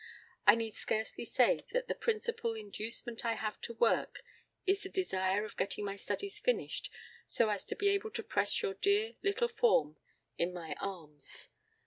I need scarcely say that the principal inducement I have to work is the desire of getting my studies finished, so as to be able to press your dear little form in my arms.